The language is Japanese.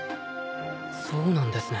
そうなんですね。